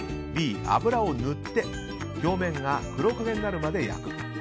Ｂ、油を塗って表面が黒焦げになるまで焼く。